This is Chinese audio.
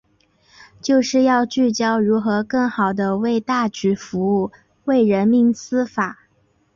就是要聚焦如何更好地为大局服务、为人民司法